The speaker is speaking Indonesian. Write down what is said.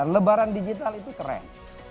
lebaran digital itu keren